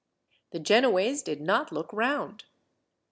The Genoese did not look round.